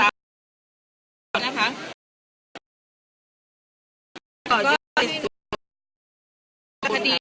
นะคะก็มีสูงค่ะถัดี